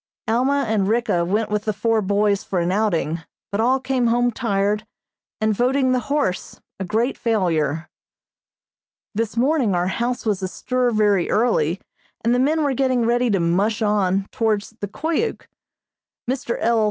Alma and Ricka went with the four boys for an outing, but all came home tired and voting the horse a great failure. This morning our house was astir very early, and the men were getting ready to "mush on" towards the Koyuk. Mr. L.